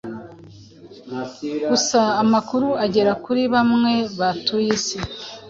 gusa amakuru agera kuri bamwe batuye Isi